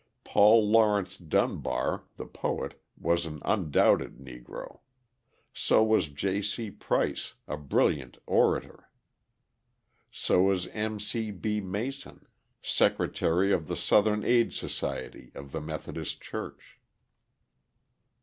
Paul Lawrence Dunbar, the poet, was an undoubted Negro; so was J. C. Price, a brilliant orator; so is M. C. B. Mason, secretary of the Southern Aid Society of the Methodist Church.